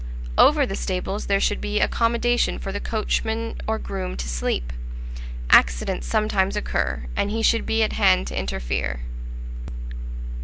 Over the stables there should be accommodation for the coachman or groom to sleep. Accidents sometimes occur, and he should be at hand to interfere.